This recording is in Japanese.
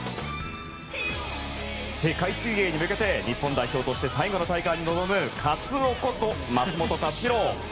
世界水泳に向けて日本代表として最後の大会に臨むカツオこと松元克央。